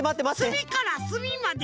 すみからすみまで。